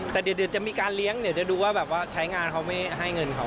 แต่เดี๋ยวจะมีการเลี้ยงเดี๋ยวจะดูว่าแบบว่าใช้งานเขาไม่ให้เงินเขา